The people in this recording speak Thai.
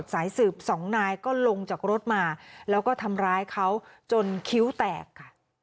สายสืบสองนายก็ลงจากรถมาแล้วก็ทำร้ายเขาจนคิ้วแตกค่ะ